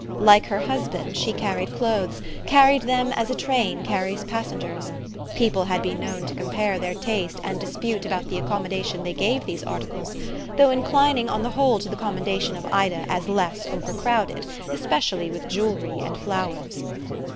Like her husband she carried clothes, carried them as a train carries passengers: people had been known to compare their taste and dispute about the accommodation they gave these articles, though inclining on the whole to the commendation of Ida as less overcrowded, especially with jewellery and flowers.